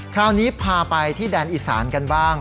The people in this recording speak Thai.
คราวนี้พาไปที่แดนอีสานกันบ้าง